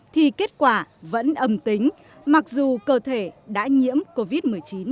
thì kết quả vẫn âm tính mặc dù cơ thể đã nhiễm covid một mươi chín